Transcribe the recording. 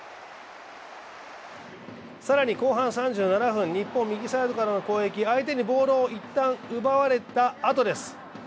更に後半３７分日本右サイドからの攻撃、相手にボールを一旦奪われたあとです。